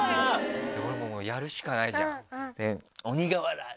俺もうやるしかないじゃん。